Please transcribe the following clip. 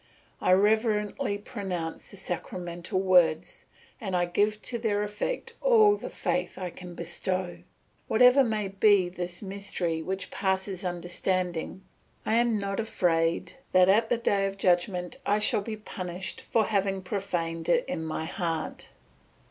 I reverently pronounce the sacramental words, and I give to their effect all the faith I can bestow. Whatever may be this mystery which passes understanding, I am not afraid that at the day of judgment I shall be punished for having profaned it in my heart."